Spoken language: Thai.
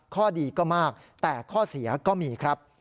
ข้อดีก็มากแต่ข้อเสียก็มีครับ